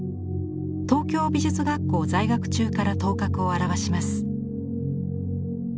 東京美術学校在学中から頭角を現します。